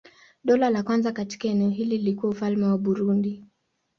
Dola la kwanza katika eneo hili lilikuwa Ufalme wa Burundi.